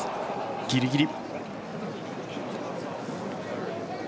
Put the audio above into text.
ギリギリ。